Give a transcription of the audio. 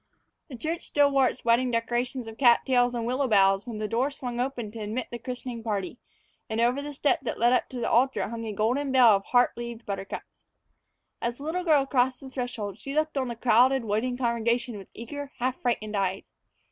The church still wore its wedding decorations of cat tails and willow boughs when the door swung open to admit the christening party, and over the step that led up to the altar hung a golden bell of heart leaved buttercups. As the little girl crossed the threshold, she looked on the crowded, waiting congregation with eager, half frightened eyes.